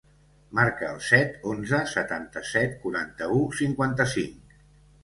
Marca el set, onze, setanta-set, quaranta-u, cinquanta-cinc.